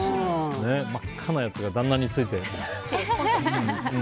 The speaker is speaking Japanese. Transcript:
真っ赤なやつが旦那について。